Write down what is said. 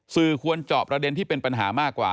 ควรเจาะประเด็นที่เป็นปัญหามากกว่า